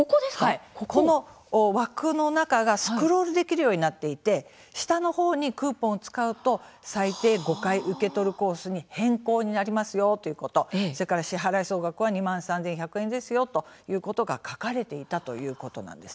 この枠の中がスクロールできるようになっていて下の方にクーポンを使うと最低５回受け取るコースに変更になりますよということ支払い総額が２万３１００円ですよということが書かれていたということです。